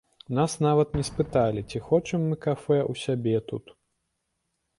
Нас нават не спыталі, ці хочам мы кафэ ў сябе тут.